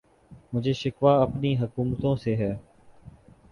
مجھے شکوہ اپنی حکومتوں سے ہے